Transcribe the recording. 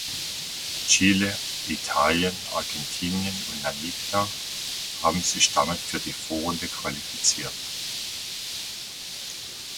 Chile, Italien, Argentinien und Namibia haben sich damit für die Vorrunde qualifiziert.